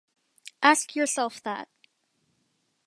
Ask yourself that.